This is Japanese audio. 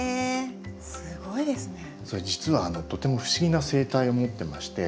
実はとても不思議な生態を持ってまして。